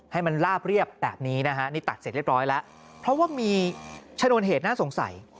ให้มันลาบเรียบแบบนี้นะฮะนี่ตัดเสร็จเรียบร้อยแล้วเพราะว่ามีชนวนเหตุน่าสงสัย